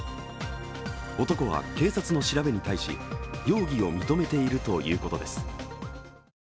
男は警察の調べに対し容疑を認めているということです。